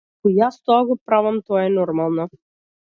Ако и јас тоа го правам, тоа е нормално.